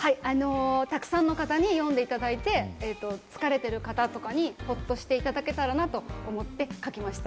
たくさんの方に読んでいただいて、疲れている方とかにほっとしていただけたらなと思って書きました。